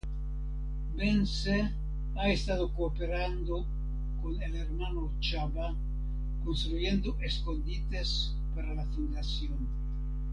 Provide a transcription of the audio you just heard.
Bence ha estado cooperando con el Hermano Csaba, construyendo escondites para la fundación.